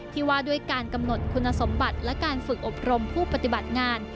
ว่าด้วยการกำหนดคุณสมบัติและการฝึกอบรมผู้ปฏิบัติงาน